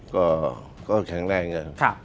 ก็แข็งแรงนะครับ